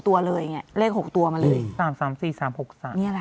ตัวเลยไงเลขหกตัวมาเลยสามสามสี่สามหกสามเนี่ยแหละ